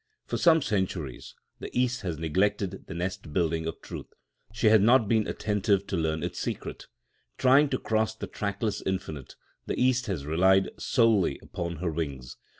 For some centuries the East has neglected the nest building of truth. She has not been attentive to learn its secret. Trying to cross the trackless infinite, the East has relied solely upon her wings.